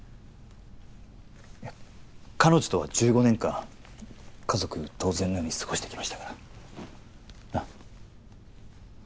いや彼女とは１５年間家族同然のように過ごしてきましたからなっ？